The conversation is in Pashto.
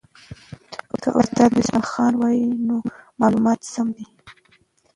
که استاد بسم الله خان وایي، نو معلومات سم دي.